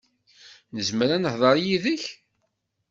Nezmer ad nehder yid-k?